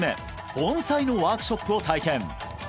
盆栽のワークショップを体験